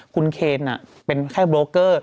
คุณเคนเป็นแค่โบรกเกอร์